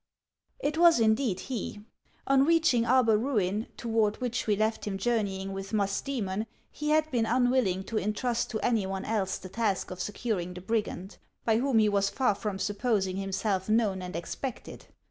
It was indeed he. On reaching Arbar ruin, toward which we left him journeying with Musdcemou, he had been unwilling to intrust to any one else the task of securing the brigand, by whom he was far from supposing himself known and expected.